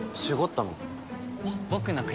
僕の国。